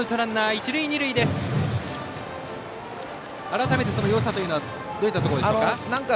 改めて、よさというのはどういったところでしょうか。